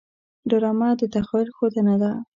ډرامه د تخیل ښودنه ده